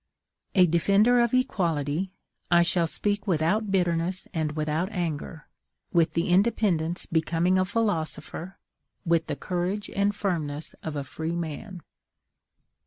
A defender of equality, I shall speak without bitterness and without anger; with the independence becoming a philosopher, with the courage and firmness of a free man.